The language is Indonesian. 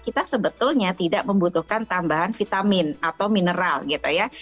kita sebetulnya tidak membutuhkan tambahan vitamin atau mineral gitu ya